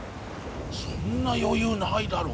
そんな余裕ないだろ。